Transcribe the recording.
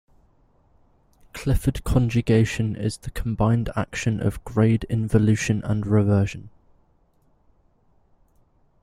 Clifford conjugation is the combined action of grade involution and reversion.